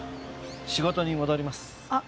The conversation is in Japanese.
仕事に戻ります。